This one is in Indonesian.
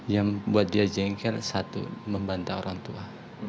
yang buat dia jengkel satu membantah orang tua